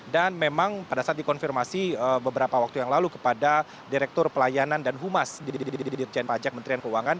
dan memang pada saat dikonfirmasi beberapa waktu yang lalu kepada direktur pelayanan dan humas di direkturat jenderal pajak kementerian keuangan